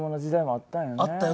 あったよ。